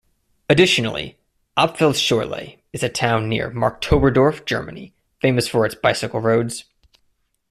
Additionally, Apfelschorle is a town near Marktoberdorf, Germany famous for its bicycle roads.